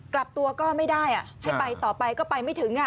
กลับตัวก็ไม่ได้ให้ไปต่อไปก็ไปไม่ถึง